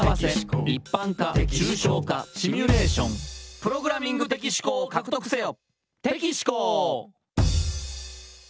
「プログラミング的思考を獲得せよ！」